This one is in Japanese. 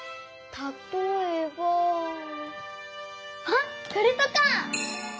たとえばあっこれとか！